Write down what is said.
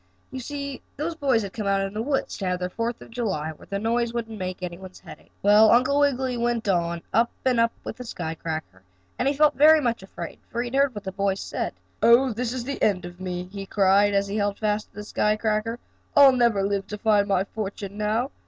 You see those boys had come out in the woods to have their Fourth of July, where the noise wouldn't make any one's head ache. Well, Uncle Wiggily went on, up and up, with the sky cracker, and he felt very much afraid for he had heard what the boys said. "Oh, this is the end of me!" he cried, as he held fast to the sky cracker. "I'll never live to find my fortune now.